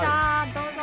どうぞ。